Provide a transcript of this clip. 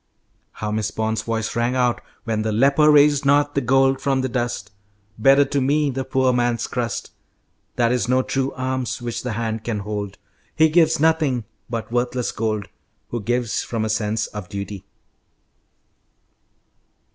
How Miss Bond's voice rang out when "the leper raised not the gold from the dust." "Better to me the poor man's crust. That is no true alms which the hand can hold. He gives nothing but worthless gold Who gives from a sense of duty."